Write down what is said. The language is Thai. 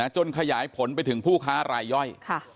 ขยายผลไปถึงผู้ค้ารายย่อย